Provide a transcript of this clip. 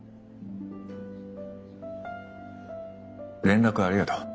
連絡ありがとう。